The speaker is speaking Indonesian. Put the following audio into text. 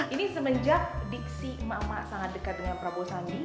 ini semenjak diksi emak emak sangat dekat dengan prabowo sandi